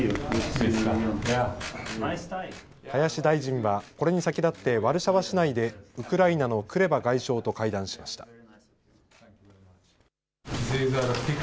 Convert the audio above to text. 林大臣は、これに先立ってワルシャワ市内でウクライナのクレバ外相と会談しました。